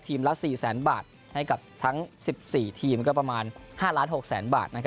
ละ๔๐๐๐บาทให้กับทั้ง๑๔ทีมก็ประมาณ๕๖๐๐๐บาท